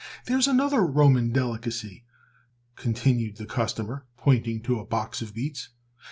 "There is another Roman delicacy," continued the customer, pointing to a box of beets.